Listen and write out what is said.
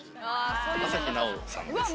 朝日奈央さんですね。